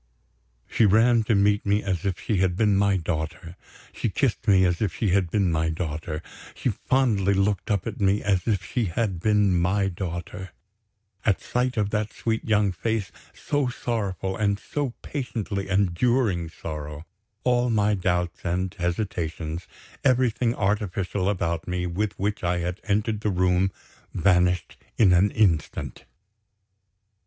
She ran to meet me as if she had been my daughter; she kissed me as if she had been my daughter; she fondly looked up at me as if she had been my daughter. At the sight of that sweet young face, so sorrowful, and so patiently enduring sorrow, all my doubts and hesitations, everything artificial about me with which I had entered the room, vanished in an instant.